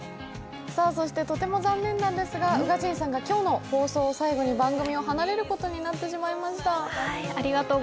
とても残念なんですが宇賀神さんが今日の放送を最後に番組を離れることになってしまいました。